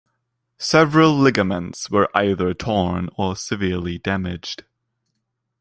Several ligaments were either torn or severely damaged.